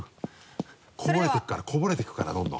こぼれていくからこぼれていくからどんどん。